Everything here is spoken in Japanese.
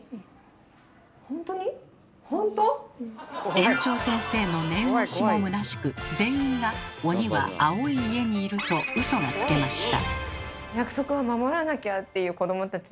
園長先生の念押しもむなしく全員が「鬼は青い家にいる」とウソがつけました。